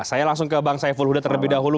saya langsung ke bang saiful huda terlebih dahulu